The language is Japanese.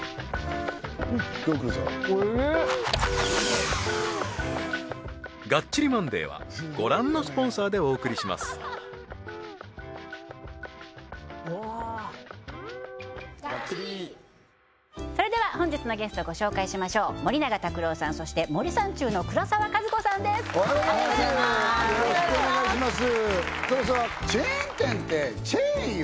黒沢おいしいそれでは本日のゲストご紹介しましょう森永卓郎さんそして森三中の黒沢かずこさんですおはようございますよろしくお願いします黒沢チェーン店ってチェーンよ？